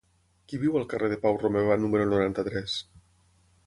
Qui viu al carrer de Pau Romeva número noranta-tres?